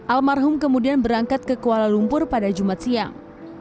almarhum kemudian berangkat ke kuala lumpur pada jumat siang